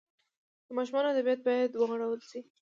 د ماشومانو ادبیات باید وغوړول سي.